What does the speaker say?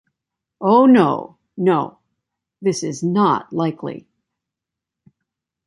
Oh, no, no — this is not likely.